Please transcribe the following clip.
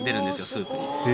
スープに。